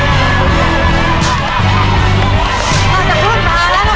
น้ำพริกลาบนะครับ